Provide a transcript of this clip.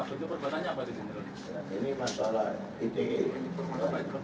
ini perbatannya apa